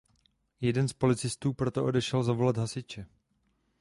Jeden z policistů proto odešel zavolat hasiče.